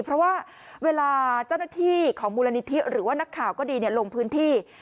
เพราะว่าเวลาเจ้าหน้าที่ของมูลนิธิหรือว่านักข่าวก็ดีลงพื้นที่